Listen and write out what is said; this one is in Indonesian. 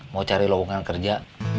mau cari lobongan kerja